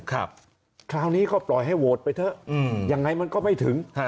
คราวนี้ก็ปล่อยให้โหวตไปเถอะยังไงมันก็ไม่ถึง